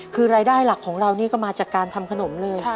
คือรายได้หลักของเรานี่ก็มาจากการทำขนมเลย